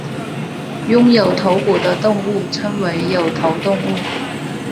拥有头骨的动物称为有头动物。